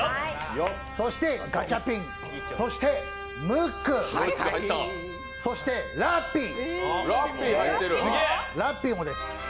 そしてガチャピン、そしてムック、そしてラッピーもです。